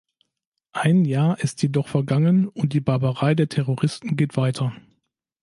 Ein Jahr ist jedoch vergangen, und die Barbarei der Terroristen geht weiter.